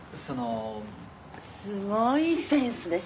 すごいセンスでしょ？